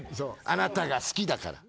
「あなたが好きだから！」